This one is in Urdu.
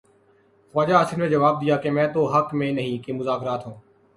خواجہ آصف نے جواب دیا کہ میں تو حق میں نہیں کہ مذاکرات ہوں۔